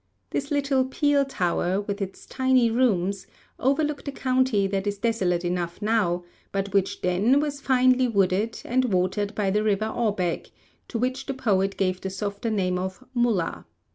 This little peel tower, with its tiny rooms, overlooked a county that is desolate enough now, but which then was finely wooded, and watered by the river Awbeg, to which the poet gave the softer name of Mulla.